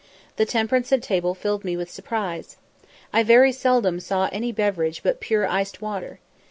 The temperance at table filled me with surprise. I very seldom saw any beverage but pure iced water.